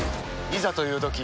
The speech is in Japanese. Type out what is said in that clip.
いざというとき